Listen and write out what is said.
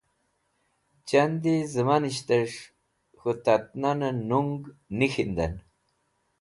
Chandi Zemanisht Es̃h K̃hu Tat Nane Nung Nik̃hinden